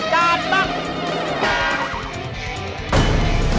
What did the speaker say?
การปรักษ์